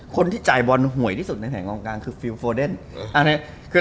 คนที่จ่ายบอลหวยที่สุดในแห่งองค์กลางคือ